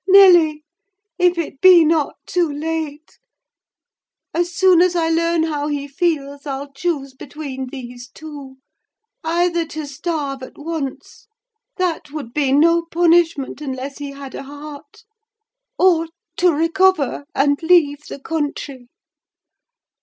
Nelly, if it be not too late, as soon as I learn how he feels, I'll choose between these two: either to starve at once—that would be no punishment unless he had a heart—or to recover, and leave the country.